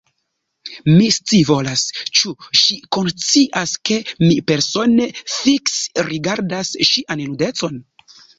Mi scivolas: ĉu ŝi konscias, ke mi, persone, fiksrigardas ŝian nudecon?